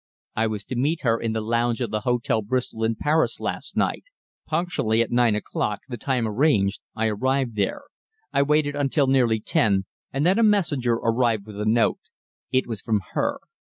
"I was to meet her in the lounge of the Hotel Bristol in Paris last night. Punctually at nine o'clock, the time arranged, I arrived there. I waited until nearly ten, and then a messenger arrived with a note. It was from her.